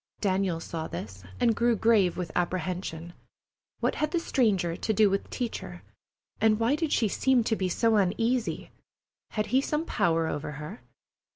Daniel saw this, and grew grave with apprehension. What had the stranger to do with the teacher, and why did she seem to be so uneasy? Had he some power over her?